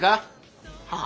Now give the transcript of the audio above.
はあ？